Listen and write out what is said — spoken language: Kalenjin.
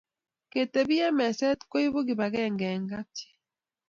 Ketepi eng meset koipu kipakenge eng kapchi